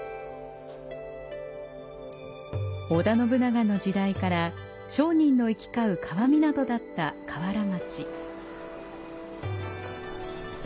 織田信長の時代から商人の行き交う川湊だった川原町。